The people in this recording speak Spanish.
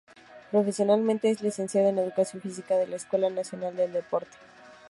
Profesionalmente es licenciado en Educación física de la Escuela Nacional del Deporte.